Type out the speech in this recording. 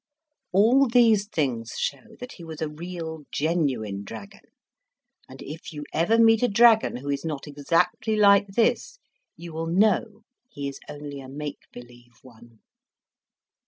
All these things show that he was a real, genuine dragon, and if you ever meet a dragon who is not exactly like this, you will know he is only a make believe one.